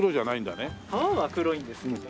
皮は黒いんですけど。